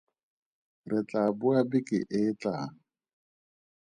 Re tlaa boa beke e e tlang.